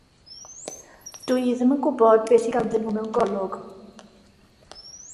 Dw i ddim yn gwybod beth sydd ganddyn nhw mewn golwg.